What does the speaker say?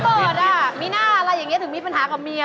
เปิดอ่ะมีหน้าอะไรอย่างนี้ถึงมีปัญหากับเมีย